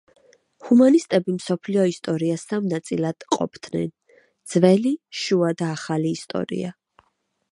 ჰუმანისტები მსოფლიო ისტორიას სამ ნაწილად ყოფდნენ: ძველი, შუა და ახალი ისტორია.